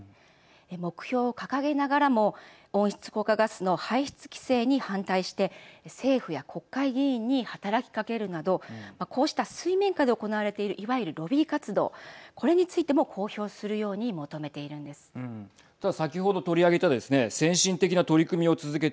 目標を掲げながらも温室効果ガスの排出規制に反対して政府や国会議員に働きかけるなどこうした水面下で行われているいわゆるロビー活動これについても公表するように求めているんです。